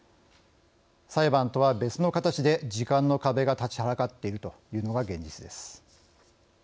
裁判とは別の形で時間の壁が立ちはだかっているというのが現実です。